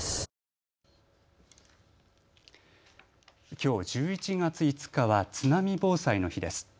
きょう１１月５日は津波防災の日です。